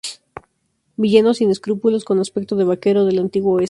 Villano sin escrúpulos con aspecto de vaquero del antiguo oeste.